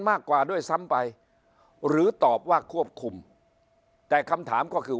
มากกว่าด้วยซ้ำไปหรือตอบว่าควบคุมแต่คำถามก็คือ